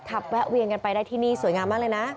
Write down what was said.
แวะเวียนกันไปได้ที่นี่สวยงามมากเลยนะ